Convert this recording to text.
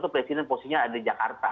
presiden posisinya ada di jakarta